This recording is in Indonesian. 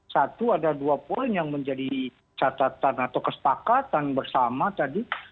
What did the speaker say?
satu ada dua poin yang menjadi catatan atau kesepakatan bersama tadi